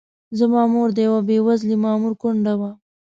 زما مور د یوه بې وزلي مامور کونډه وه.